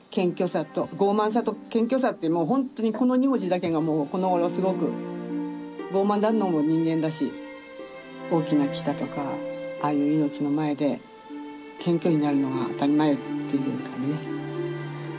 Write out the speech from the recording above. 傲慢さと謙虚さってもうホントにこの２文字だけがもうこのごろすごく傲慢なのも人間だし大きな木だとかああいう命の前で謙虚になるのは当たり前っていうかね。